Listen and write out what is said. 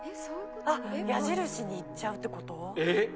あっ矢印にいっちゃうってこと？